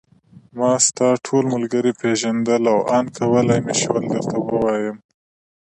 ما ستا ټول ملګري پېژندل او آن کولای مې شول درته ووایم.